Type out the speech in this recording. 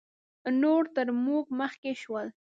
نور تر موږ مخکې شول